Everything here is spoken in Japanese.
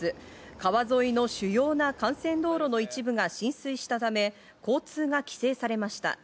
川沿いの主要な幹線道路の一部が浸水したため、交通が規制されました。